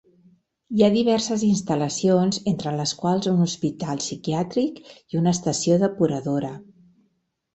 Hi ha diverses instal·lacions entre les quals un hospital psiquiàtric i una estació depuradora.